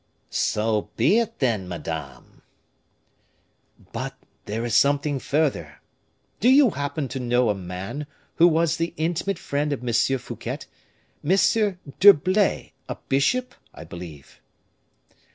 "So be it, then, madame." "But there is something further; do you happen to know a man who was the intimate friend of M. Fouquet, M. d'Herblay, a bishop, I believe?"